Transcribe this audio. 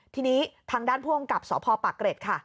ทีนี้ทางด้านพ่วงกับสภปรักเกร็จค่ะ